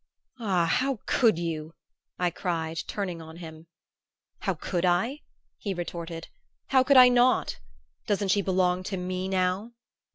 "Ah, how could you?" I cried, turning on him. "How could I?" he retorted. "How could I not? Doesn't she belong to me now?"